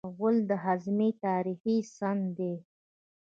غول د هاضمې تاریخي سند دی.